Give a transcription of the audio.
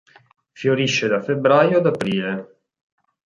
Fiorisce da febbraio ad aprile.